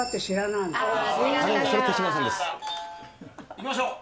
いきましょう。